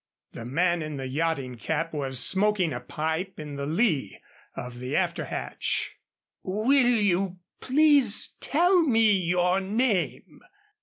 The man in the yachting cap was smoking a pipe in the lee of the after hatch. "Will you please tell me your name?"